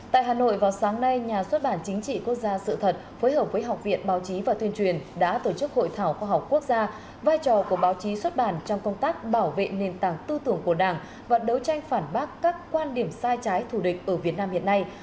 tại hà nội vào sáng nay nhà xuất bản chính trị quốc gia sự thật phối hợp với học viện báo chí và tuyên truyền đã tổ chức hội thảo khoa học quốc gia vai trò của báo chí xuất bản trong công tác bảo vệ nền tảng tư tưởng của đảng và đấu tranh phản bác các quan điểm sai trái thù địch ở việt nam hiện nay